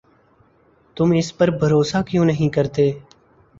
تم اس پر بھروسہ کیوں نہیں کرتے؟